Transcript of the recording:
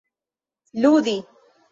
ludi